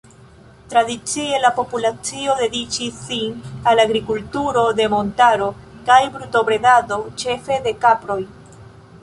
Tradicie la populacio dediĉis sin al agrikulturo de montaro kaj brutobredado, ĉefe de kaproj.